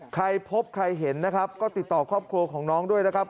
ใครพบใครเห็นนะครับก็ติดต่อครอบครัวของน้องด้วยนะครับ